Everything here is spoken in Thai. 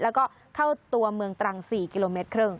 แล้วก็เข้าตัวเมืองตรัง๔กิโลเมตรครึ่ง